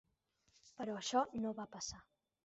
Però això no va passar.